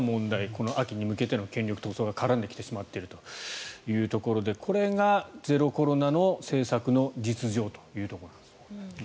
この秋に向けての権力闘争が絡んできてしまっているということでこれがゼロコロナの政策の実情というところなんです。